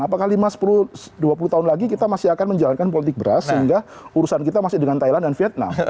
apakah lima sepuluh dua puluh tahun lagi kita masih akan menjalankan politik beras sehingga urusan kita masih dengan thailand dan vietnam